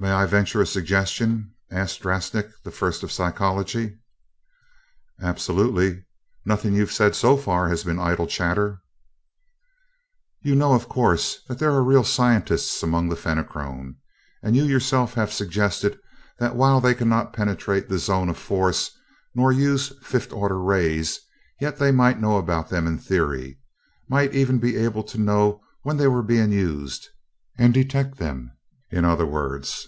"May I venture a suggestion?" asked Drasnik, the First of Psychology. "Absolutely nothing you've said so far has been idle chatter." "You know, of course, that there are real scientists among the Fenachrone; and you yourself have suggested that while they cannot penetrate the zone of force nor use fifth order rays, yet they might know about them in theory, might even be able to know when they were being used detect them, in other words.